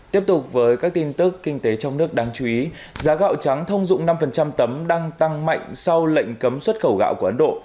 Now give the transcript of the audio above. tiếp tục với các tin tức kinh tế trong nước đáng chú ý giá gạo trắng thông dụng năm tấm đang tăng mạnh sau lệnh cấm xuất khẩu gạo của ấn độ